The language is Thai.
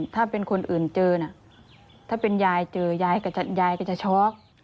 ถ้าเป็นคนอื่นเจอน่ะถ้าเป็นยายเจอยายก็จะช็อก